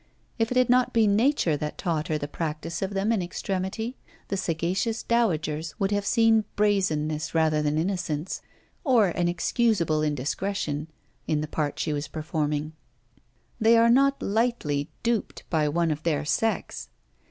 If it had not been nature that taught her the practice of them in extremity, the sagacious dowagers would have seen brazenness rather than innocence or an excuseable indiscretion in the part she was performing. They are not lightly duped by one of their sex.